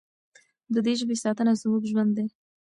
د دې ژبې ساتنه زموږ ژوند دی.